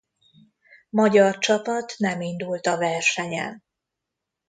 Magyar csapat nem indult a versenyen.